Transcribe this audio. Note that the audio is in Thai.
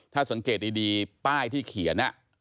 ถ้าสังเกตดีป้ายที่เขียน